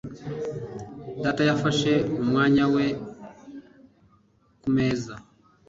Data yafashe umwanya we kumeza.